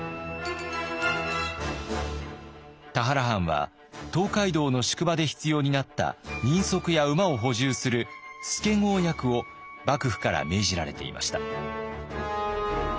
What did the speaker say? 田原藩は東海道の宿場で必要になった人足や馬を補充する助郷役を幕府から命じられていました。